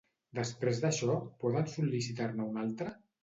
Després d'això, poden sol·licitar-ne una altra?